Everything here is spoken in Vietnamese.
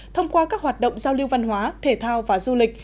thông qua các hoạt động giao lưu văn hóa thể thao và du lịch